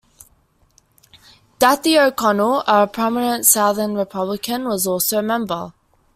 Daithi O'Connell, a prominent Southern Republican, was also a member.